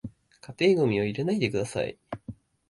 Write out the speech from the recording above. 家庭ゴミを入れないでください